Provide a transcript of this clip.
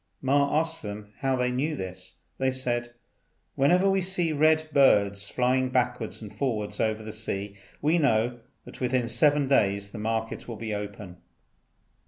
Ma asked them how they knew this. They said, "Whenever we see red birds flying backwards and forwards over the sea, we know that within seven days the market will open."